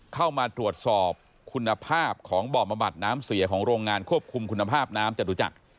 เข้ามาตรวจสอบคุณภาพของบ่อบำบัดน้ำเสียของโรงงานควบคุมคุณภาพน้ำจตุจักร